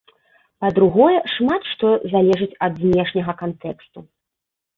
Па-другое, шмат што залежыць ад знешняга кантэксту.